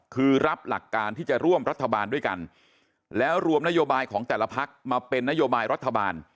คือรับหลักการที่จะร่วมรัฐบาลด้วยกันแล้วรวมนโยบายของแต่ละพักมาเป็นนโยบายรัฐบาล